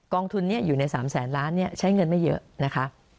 องทุนนี้อยู่ใน๓แสนล้านใช้เงินไม่เยอะนะคะ